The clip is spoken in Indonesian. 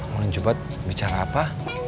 mau nyebat bicara apa